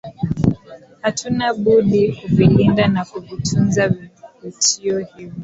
Hatuna budi kuvilinda na kuvitunza vivutio hivi